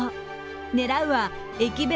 狙うは駅弁